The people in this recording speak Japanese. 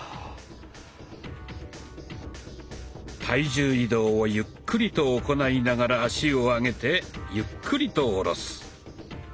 体重移動をゆっくりと行いながら足を上げてゆっくりと下ろす。